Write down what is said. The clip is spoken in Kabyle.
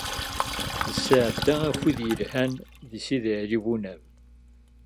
Nesɛedda akud yelhan deg Sidi Ɛli Bunab.